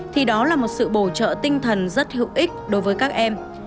thì đó là một sự bổ trợ tinh thần rất hữu ích đối với các em